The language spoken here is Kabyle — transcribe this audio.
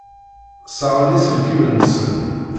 Ssaɣen iselkimen-nsen.